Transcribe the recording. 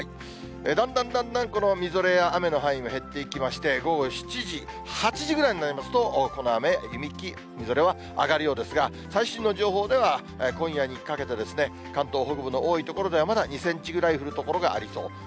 だんだんだんだん、このみぞれや雨の範囲も減っていきまして、午後７時、８時ぐらいになりますと、この雨、雪、みぞれは上がるようですが、最新の情報では、今夜にかけて、関東北部の多い所では、まだ２センチぐらい降る所がありそう。